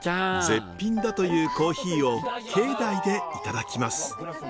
絶品だというコーヒーを境内でいただきます。